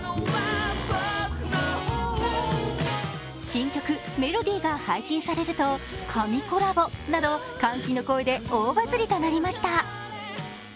新曲「ＭＥＬＯＤＹ」が配信されると神コラボなど歓喜の声で大バズりとなりました。